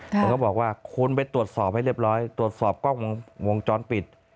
มันก็บอกว่าคุณไปตรวจสอบให้เรียบร้อยตรวจสอบกล้องวงจรปิด